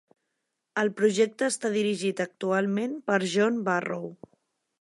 El projecte està dirigit actualment per John Barrow.